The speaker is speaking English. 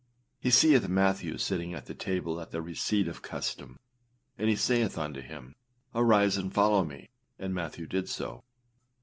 â He seeth Matthew sitting at the table at the receipt of custom, and he saith unto him, âArise, and follow me,â and Matthew did so.